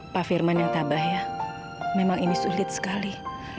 pak firman yang tabah ya memang ini sulit sekali